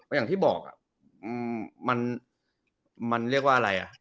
แต่แล้วที่บอกอะมันเรียกว่าอะไรอะ